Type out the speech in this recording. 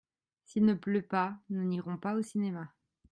S’il ne pleut pas nous n’irons pas au cinéma.